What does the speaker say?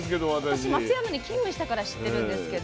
私松山に勤務したから知ってるんですけど。